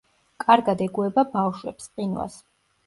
კარგად ეგუება ბავშვებს, ყინვას.